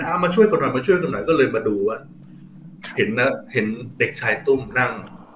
มาช่วยกันหน่อยมาช่วยกันหน่อยก็เลยมาดูว่าเห็นนะเห็นเด็กชายตุ้มนั่ง